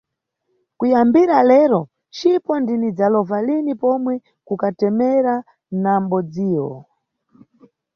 Kuyambira lero cipo ndinidzalova lini pomwe ku katemera na mʼbodziyo.